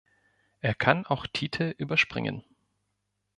Er kann auch Titel überspringen.